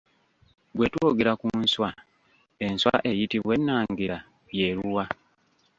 Bwe twogera ku nswa, enswa eyitibwa ennangira y'eruwa?